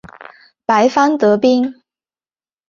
白方得兵。